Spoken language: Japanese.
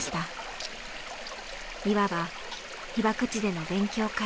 いわば被爆地での勉強会。